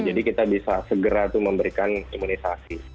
jadi kita bisa segera tuh memberikan imunisasi